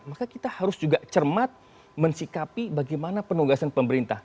maka kita harus juga cermat mensikapi bagaimana penugasan pemerintah